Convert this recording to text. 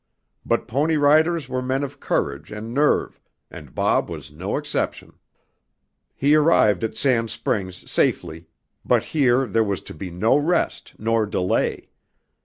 But pony riders were men of courage and nerve, and Bob was no exception. He arrived at Sand Springs safely; but here there was to be no rest nor delay.